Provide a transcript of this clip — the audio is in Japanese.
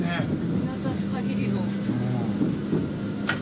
見渡す限りの。